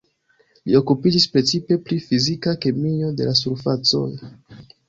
Li okupiĝis precipe pri fizika kemio de la surfacoj.